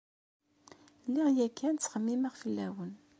Lliɣ yakan ttxemmimeɣ fell-awen.